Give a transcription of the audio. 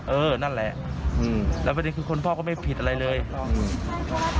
เออนั่นแหละอืมแล้วประเด็นคือคนพ่อก็ไม่ผิดอะไรเลยอืม